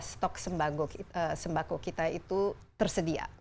stok sembako kita itu tersedia